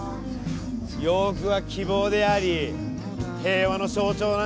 洋服は希望であり平和の象徴なんじゃない？